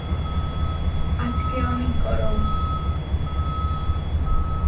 পরবর্তীতে মার্কিন যুক্তরাষ্ট্রের ন্যাশনাল ইনস্টিটিউট অব হেলথ থেকে স্নাতকোত্তর ডক্টরাল বিষয়ে অধ্যয়ন করেন।